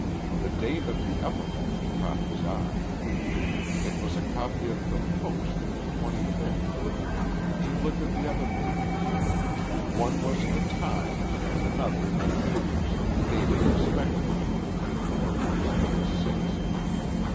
The date of the uppermost caught his eye. It was a copy of the "Post" of the twenty fifth. He looked at the other papers. One was the "Times" and another the "News," dated respectively the twenty fourth and the twenty sixth.